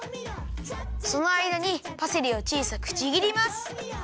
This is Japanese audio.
そのあいだにパセリをちいさくちぎります。